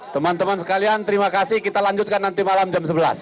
teman teman sekalian terima kasih kita lanjutkan nanti malam jam sebelas